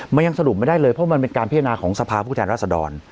มันยังสรุปไม่ได้เลยเพราะมันเป็นการพิจารณาของสภาพผู้แทนรัศดร